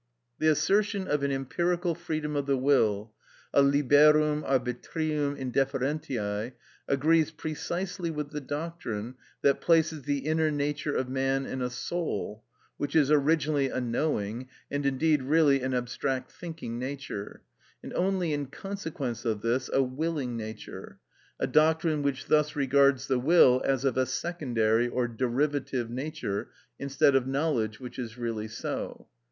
The assertion of an empirical freedom of the will, a liberum arbitrium indifferentiæ, agrees precisely with the doctrine that places the inner nature of man in a soul, which is originally a knowing, and indeed really an abstract thinking nature, and only in consequence of this a willing nature—a doctrine which thus regards the will as of a secondary or derivative nature, instead of knowledge which is really so.